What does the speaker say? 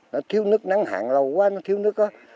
nó thiếu nước nắng hạn lâu quá nó thiếu nước á